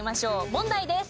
問題です。